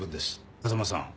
風間さん。